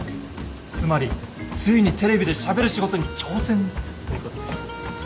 つまりついにテレビでしゃべる仕事に挑戦ということです。